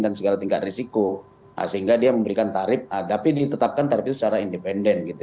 dan segala tingkat risiko sehingga dia memberikan tarif tapi ditetapkan tarif secara independen gitu